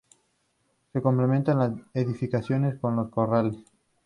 Se completa la edificación con los corrales.